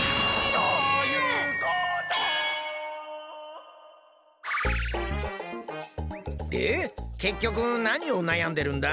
しょーゆーこと！でけっきょくなにをなやんでるんだ？